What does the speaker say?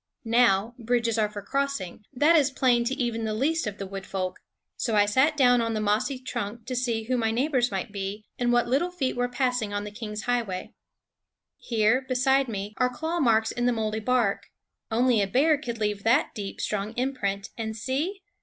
Now bridges are for crossing; that is plain to even the least of the wood folk ; so I sat down on the mossy trunk to see who my neighbors might be, and what little feet were passing on the King's highway. Here, beside me, are claw marks in the moldy bark. Only a bear could leave that deep, strong imprint. And see